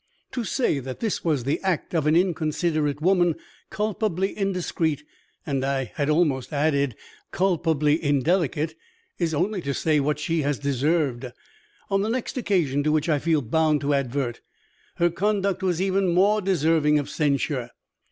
To say that this was the act of an inconsiderate woman, culpably indiscreet and, I had almost added, culpably indelicate, is only to say what she has deserved. On the next occasion to which I feel bound to advert, her conduct was even more deserving of censure.